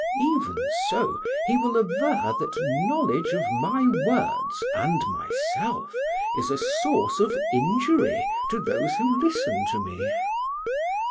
Even so he will aver that knowledge of my words and myself is a source of injury to those who listen to me.